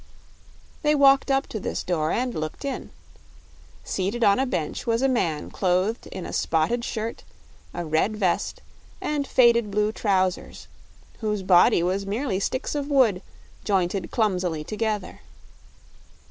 They walked up to this door and looked in. Seated on a bench was a man clothed in a spotted shirt, a red vest, and faded blue trousers, whose body was merely sticks of wood, jointed clumsily together.